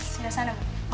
sebelah sana bu